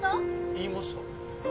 言いました。